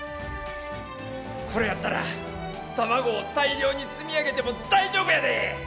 これやったら卵を大量に積み上げても大丈夫やで！